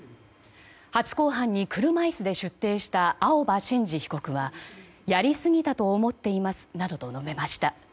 初公判に車椅子で出廷した青葉真司被告はやりすぎたと思っていますなどと述べました。